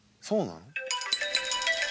そうなの？